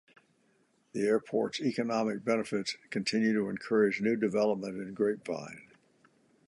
The airport's economic benefits continue to encourage new development in Grapevine.